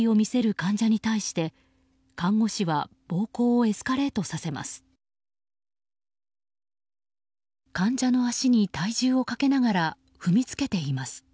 患者の足に体重をかけながら踏みつけています。